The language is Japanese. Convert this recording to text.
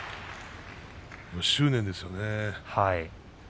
執念ですね。